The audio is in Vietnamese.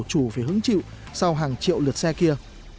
chủ phải hứng chịu sau hàng triệu lượt xe kia